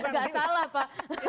gak salah pak